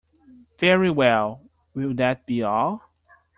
Very well, will that be all?